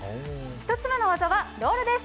１つ目の技はロールです。